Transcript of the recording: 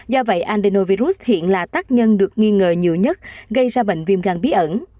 do vậy andenovirus hiện là tác nhân được nghi ngờ nhiều nhất gây ra bệnh viêm gan bí ẩn